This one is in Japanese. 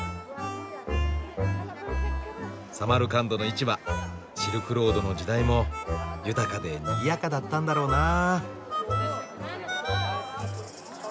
サマルカンドの市場シルクロードの時代も豊かでにぎやかだったんだろうなあ。